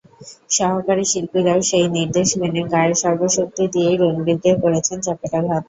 সহকারী শিল্পীরাও সেই নির্দেশ মেনে গায়ের সর্ব শক্তি দিয়েই রণবীরকে করেছেন চপেটাঘাত।